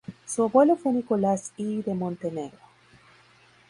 Su abuelo fue Nicolás I de Montenegro.